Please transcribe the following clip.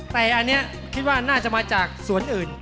แต่อันนี้คิดว่าน่าจะมาจากสวนอื่น